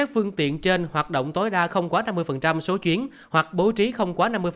phương tiện trên hoạt động tối đa không quá năm mươi số chuyến hoặc bố trí không quá năm mươi